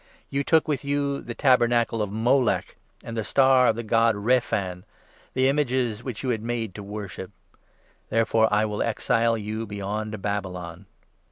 You took with you the tabernacle of Moloch 43 And the Star of the god Rephan — The images which you had made to worship. Therefore I will exile you beyond Babylon.'